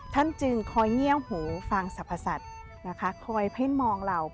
ท่านจึงคอยเงียบหูฟังสรรพสัตว์นะคะคอยเพ่นมองเรา